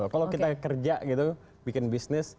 kalau kita kerja gitu bikin bisnis